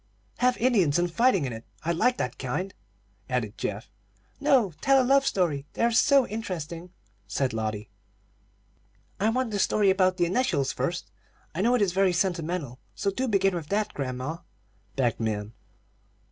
"Have Indians and fighting in it. I like that kind," added Geoff. "No; tell a love story. They are so interesting," said Lotty. "I want the story about the initials first. I know it is very sentimental. So do begin with that, grandma," begged Min.